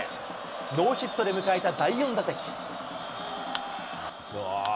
ノーヒットで迎えた第４打席。